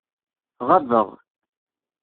Ɣabeɣ.